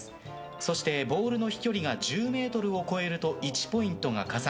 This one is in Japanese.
そしてボールの飛距離が１０ｍを超えると１ポイントが加算。